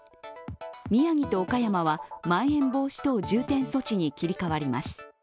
宮城と岡山は、まん延防止等重点措置に切り替わります。